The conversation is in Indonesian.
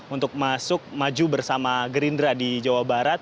untuk masuk maju bersama gerindra di jawa barat